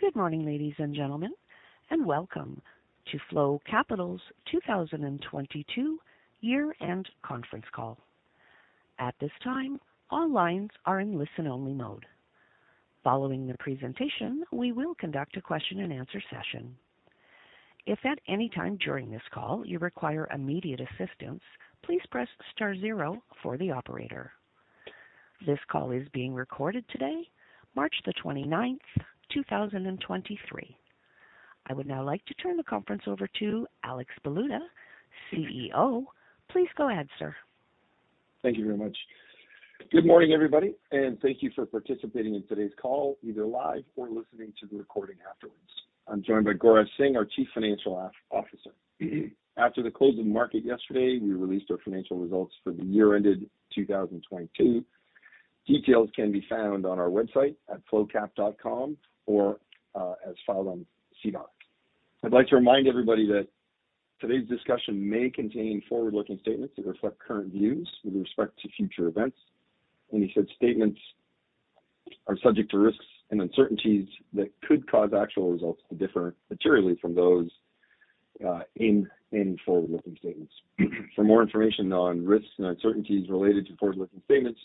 Good morning, ladies and gentlemen, and welcome to Flow Capital's 2022 year-end conference call. At this time, all lines are in listen-only mode. Following the presentation, we will conduct a question-and-answer session. If at any time during this call you require immediate assistance, please press star zero for the operator. This call is being recorded today, March 29th, 2023. I would now like to turn the conference over to Alex Baluta, CEO. Please go ahead, sir. Thank you very much. Good morning, everybody. Thank you for participating in today's call, either live or listening to the recording afterwards. I'm joined by Gaurav Singh, our Chief Financial Officer. After the close of market yesterday, we released our financial results for the year ended 2022. Details can be found on our website at flowcap.com or as filed on SEDAR. I'd like to remind everybody that today's discussion may contain forward-looking statements that reflect current views with respect to future events. Any such statements are subject to risks and uncertainties that could cause actual results to differ materially from those in any forward-looking statements. For more information on risks and uncertainties related to forward-looking statements,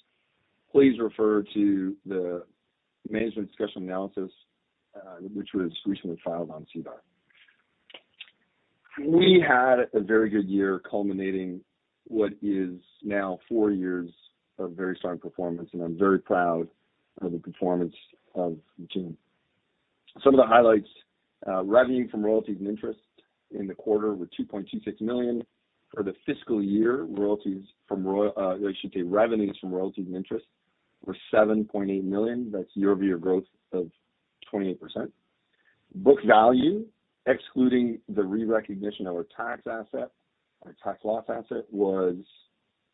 please refer to the management discussion analysis, which was recently filed on SEDAR. We had a very good year culminating what is now four years of very strong performance, and I'm very proud of the performance of the team. Some of the highlights, revenue from royalties and interest in the quarter were 2.26 million. For the fiscal year, I should say revenues from royalties and interest were 7.8 million. That's year-over-year growth of 28%. Book value, excluding the re-recognition of our tax asset, our tax loss asset, was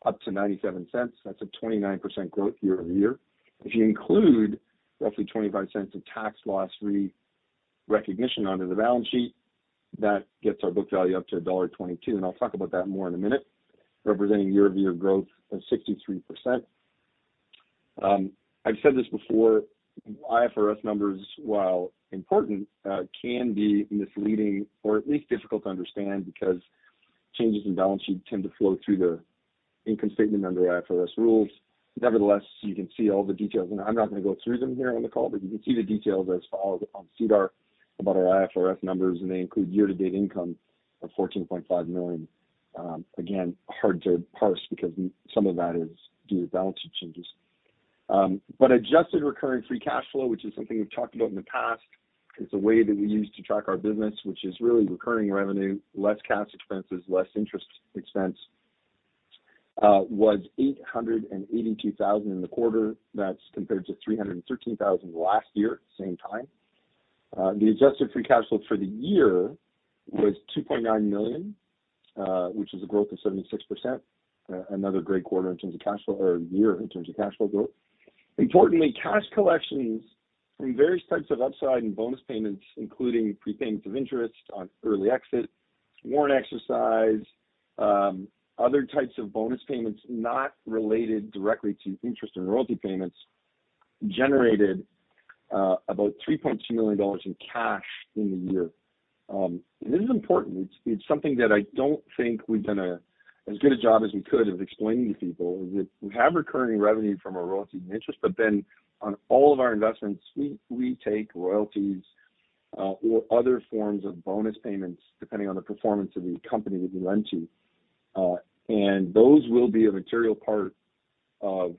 up to 0.97. That's a 29% growth year-over-year. If you include roughly 0.25 of tax loss re-recognition under the balance sheet, that gets our book value up to dollar 1.22, and I'll talk about that more in a minute, representing year-over-year growth of 63%. I've said this before, IFRS numbers, while important, can be misleading or at least difficult to understand because changes in balance sheet tend to flow through the income statement under IFRS rules. Nevertheless, you can see all the details. I'm not gonna go through them here on the call, but you can see the details as filed on SEDAR about our IFRS numbers, and they include year-to-date income of 14.5 million. Again, hard to parse because some of that is due to balance sheet changes. Adjusted Recurring Free Cash Flow, which is something we've talked about in the past. It's a way that we use to track our business, which is really recurring revenue, less cash expenses, less interest expense, was 882,000 in the quarter. That's compared to 313,000 last year, same time. The Adjusted Free Cash Flow for the year was $2.9 million, which is a growth of 76%. Another great quarter in terms of cash flow or year in terms of cash flow growth. Importantly, cash collections from various types of upside and bonus payments, including prepayments of interest on early exit, warrant exercise, other types of bonus payments not related directly to interest and royalty payments, generated about 3.2 million dollars in cash in the year. This is important. It's something that I don't think we've done as good a job as we could of explaining to people is that we have recurring revenue from our royalties and interest. On all of our investments, we take royalties or other forms of bonus payments depending on the performance of the company that we lend to. Those will be a material part of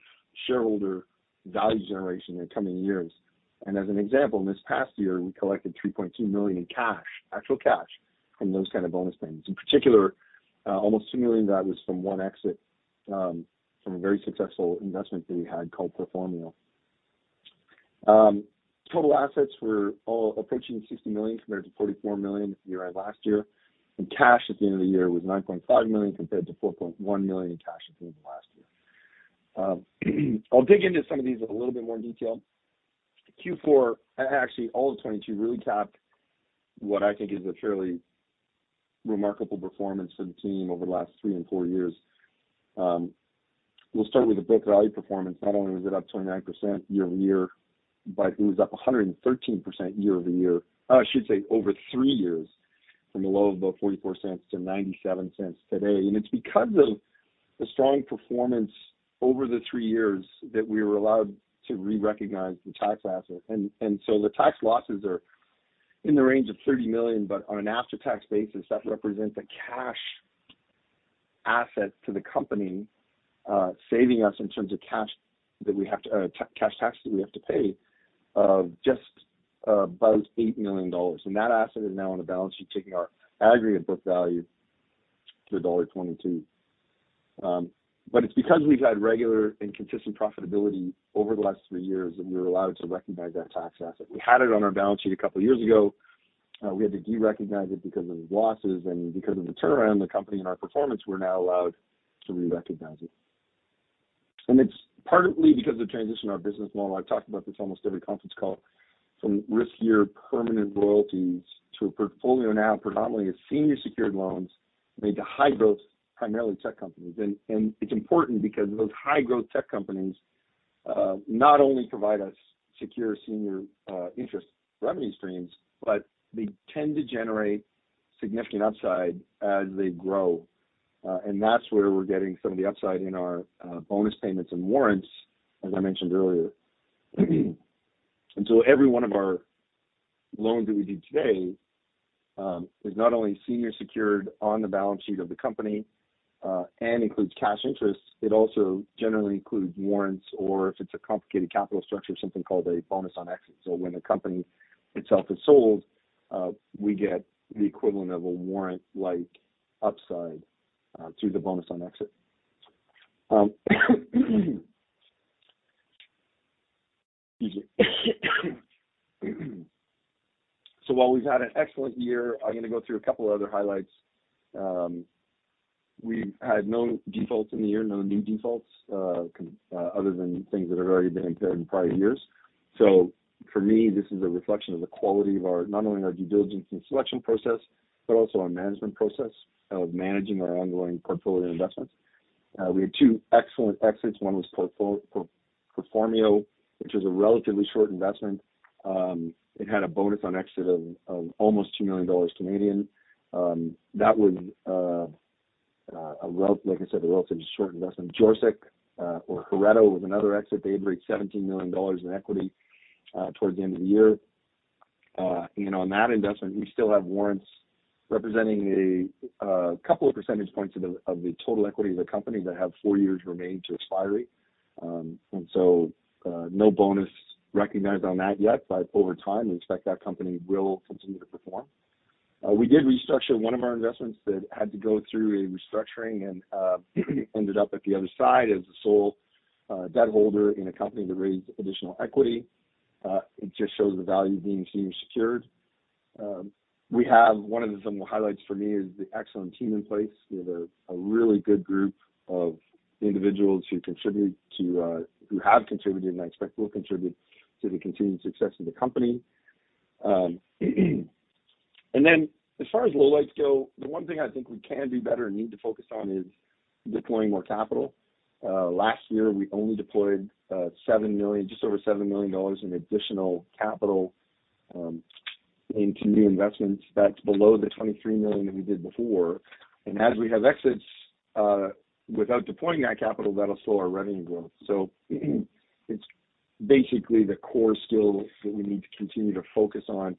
shareholder value generation in the coming years. As an example, this past year we collected 3.2 million in cash, actual cash from those kind of bonus payments. In particular, almost 2 million of that was from one exit from a very successful investment that we had called Performio. Total assets were all approaching 60 million compared to 44 million year-end last year. Cash at the end of the year was 9.5 million compared to 4.1 million in cash at the end of last year. I'll dig into some of these in a little bit more detail. Q4, actually all of 2022 really capped what I think is a fairly remarkable performance for the team over the last three and four years. We'll start with the book value performance. Not only was it up 29% year-over-year, but it was up 113% year-over-year. I should say over three years from a low of about 0.44 to 0.97 today. It's because of the strong performance over the three years that we were allowed to re-recognize the tax asset. The tax losses are in the range of 30 million, but on an after-tax basis, that represents a cash asset to the company, saving us in terms of cash that we have to pay of just about 8 million dollars. That asset is now on a balance sheet, taking our aggregate book value to dollar 1.22. It's because we've had regular and consistent profitability over the last three years that we were allowed to recognize that tax asset. We had it on our balance sheet a couple years ago. We had to de-recognize it because of losses and because of the turnaround in the company and our performance, we're now allowed to re-recognize it. It's partly because of the transition of our business model. I've talked about this almost every conference call from riskier permanent royalties to a portfolio now predominantly of senior secured loans, made to high growth, primarily tech companies. It's important because those high growth tech companies not only provide us secure senior interest revenue streams, but they tend to generate significant upside as they grow. That's where we're getting some of the upside in our bonus payments and warrants as I mentioned earlier. Every one of our loans that we do today is not only senior secured on the balance sheet of the company and includes cash interest, it also generally includes warrants or if it's a complicated capital structure, something called a bonus on exit. When a company itself is sold, we get the equivalent of a warrant like upside through the bonus on exit. Excuse me. While we've had an excellent year, I'm gonna go through a couple of other highlights. We had no defaults in the year, no new defaults other than things that had already been incurred in prior years. For me, this is a reflection of the quality of our not only our due diligence and selection process, but also our management process of managing our ongoing portfolio investments. We had two excellent exits. One was Performio, which was a relatively short investment. It had a bonus on exit of almost 2 million Canadian dollars. That was, like I said, a relatively short investment. Jorsek or Heretto was another exit. They had raised 17 million dollars in equity towards the end of the year. On that investment, we still have warrants representing a couple of percentage points of the total equity of the company that have four years remaining to expiry. No bonus recognized on that yet, but over time we expect that company will continue to perform. We did restructure one of our investments that had to go through a restructuring and ended up at the other side as the sole debt holder in a company that raised additional equity. It just shows the value of being senior secured. One of the some of the highlights for me is the excellent team in place. We have a really good group of individuals who contribute to who have contributed and I expect will contribute to the continued success of the company. As far as lowlights go, the one thing I think we can do better and need to focus on is deploying more capital. Last year we only deployed 7 million, just over 7 million dollars in additional capital into new investments. That's below the 23 million that we did before. As we have exits, without deploying that capital, that'll slow our revenue growth. It's basically the core skill that we need to continue to focus on.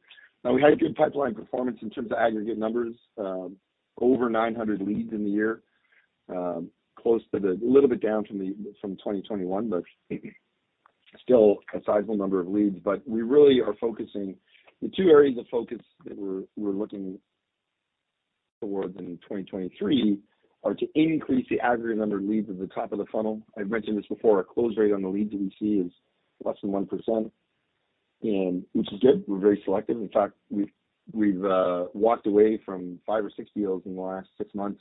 We had good pipeline performance in terms of aggregate numbers, over 900 leads in the year, close to a little bit down from 2021, but still a sizable number of leads. We really are focusing. The two areas of focus that we're looking towards in 2023 are to increase the aggregate number of leads at the top of the funnel. I've mentioned this before, our close rate on the leads that we see is less than 1%, which is good. We're very selective. In fact, we've walked away from five or six deals in the last six months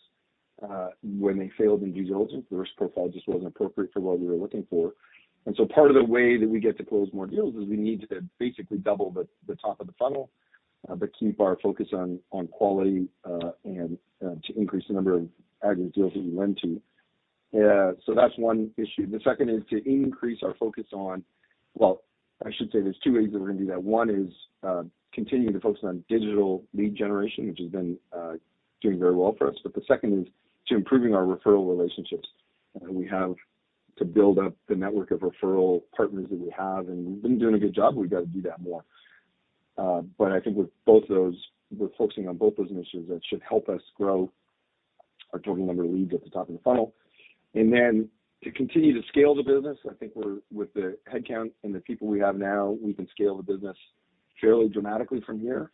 when they failed in due diligence. The risk profile just wasn't appropriate for what we were looking for. Part of the way that we get to close more deals is we need to basically double the top of the funnel, but keep our focus on quality and to increase the number of aggregate deals that we lend to. That's one issue. The second is to increase our focus on. Well, I should say there's two ways that we're gonna do that. One is continuing to focus on digital lead generation, which has been doing very well for us, but the second is to improving our referral relationships. We have to build up the network of referral partners that we have, and we've been doing a good job, but we've got to do that more. I think with both of those, we're focusing on both those initiatives that should help us grow our total number of leads at the top of the funnel. To continue to scale the business, I think with the headcount and the people we have now, we can scale the business fairly dramatically from here,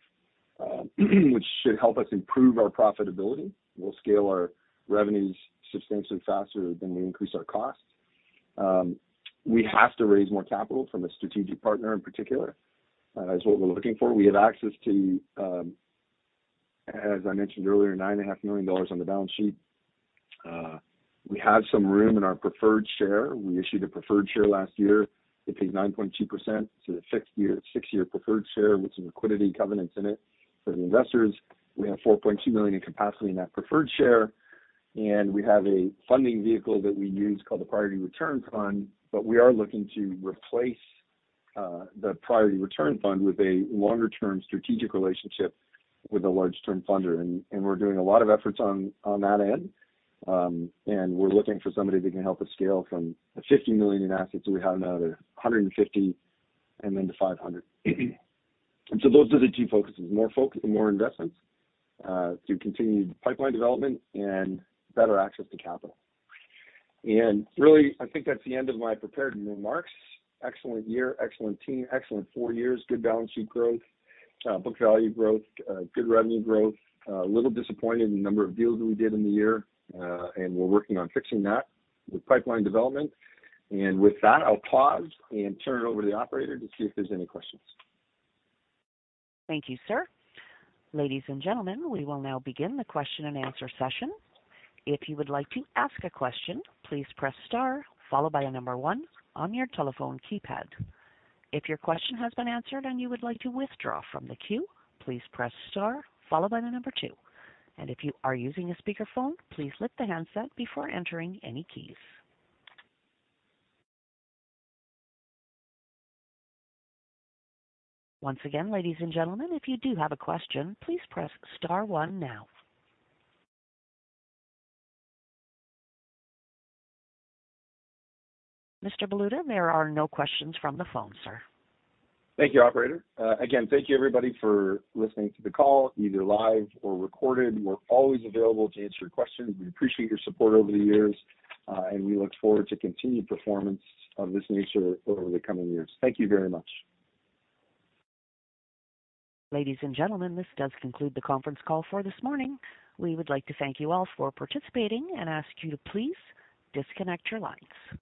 which should help us improve our profitability. We'll scale our revenues substantially faster than we increase our costs. We have to raise more capital from a strategic partner in particular. That's what we're looking for. We have access to, as I mentioned earlier, 9.5 million dollars on the balance sheet. We have some room in our preferred share. We issued a preferred share last year. It pays 9.2% to the 6th year, six-year preferred share with some liquidity covenants in it for the investors. We have 4.2 million in capacity in that preferred share. We have a funding vehicle that we use called the Priority Return Fund. We are looking to replace the Priority Return Fund with a longer-term strategic relationship with a large term funder. We're doing a lot of efforts on that end. We're looking for somebody that can help us scale from the 50 million in assets that we have now to 150 million and then to 500 million. Those are the two focuses, more investments through continued pipeline development and better access to capital. Really, I think that's the end of my prepared remarks. Excellent year, excellent team, excellent four years, good balance sheet growth, book value growth, good revenue growth. A little disappointed in the number of deals that we did in the year, and we're working on fixing that with pipeline development. With that, I'll pause and turn it over to the operator to see if there's any questions. Thank you, sir. Ladies and gentlemen, we will now begin the question-and-answer session. If you would like to ask a question, please press star followed by number one on your telephone keypad. If your question has been answered and you would like to withdraw from the queue, please press star followed by number two. If you are using a speakerphone, please lift the handset before entering any keys. Once again, ladies and gentlemen, if you do have a question, please press star one now. Mr. Baluta, there are no questions from the phone, sir. Thank you, operator. Again, thank you everybody for listening to the call, either live or recorded. We're always available to answer your questions. We appreciate your support over the years, and we look forward to continued performance of this nature over the coming years. Thank you very much. Ladies and gentlemen, this does conclude the conference call for this morning. We would like to thank you all for participating and ask you to please disconnect your lines.